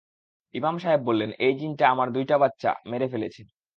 ইমাম সাহেব বললেন, এই জিনটা আমার দুইটা বাচ্চা মেরে ফেলেছে।